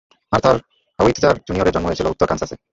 Arthur Howitzer জুনিয়রের জন্ম হয়েছিল উত্তর কানসাসে।